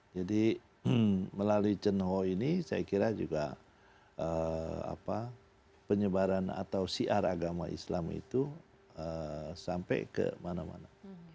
jadi melalui cengho ini saya kira juga penyebaran atau siar agama islam itu sampai kemana mana